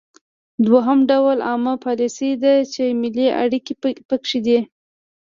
دوهم ډول عامه پالیسي ده چې ملي اړیکې پکې دي